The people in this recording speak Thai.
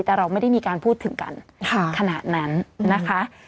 แต่เราไม่ได้มีการพูดถึงกันขนาดนั้นนะคะ